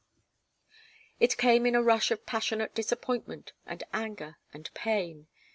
It came in a rush of passionate disappointment and anger and pain.